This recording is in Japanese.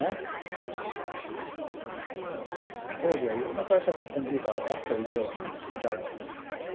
当時はいろんな会社がコンピューターをやっと入れようという時代だったんです。